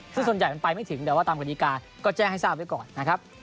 ซึ่งส่วนใหญ่มันไปไม่ถึงแต่ว่าตามกฎิกาก็แจ้งให้ทราบไว้ก่อนนะครับ